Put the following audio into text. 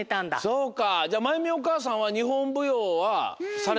そうか。